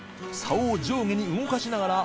竿を上下に動かしながら）